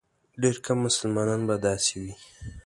ډېر کم مسلمانان به داسې وي.